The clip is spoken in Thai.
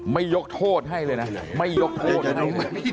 ยกโทษให้เลยนะไม่ยกโทษเลยนะ